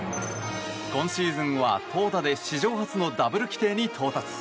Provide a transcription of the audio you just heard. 今シーズンは、投打で史上初のダブル規定に到達。